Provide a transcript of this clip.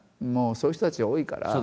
もうそういう人たちが多いから。